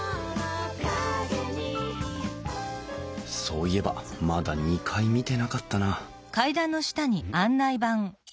そういえばまだ２階見てなかったなうん？